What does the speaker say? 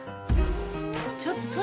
ちょっと。